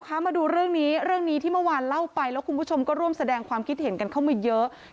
มาดูเรื่องนี้เรื่องนี้ที่เมื่อวานเล่าไปแล้วคุณผู้ชมก็ร่วมแสดงความคิดเห็นกันเข้ามาเยอะ